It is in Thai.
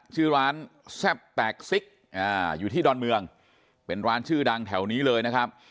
ชื่อร้านแซ่บแตกซิกอยู่ที่ดอนเมืองเป็นร้านชื่อดังแถวนี้เลยนะครับ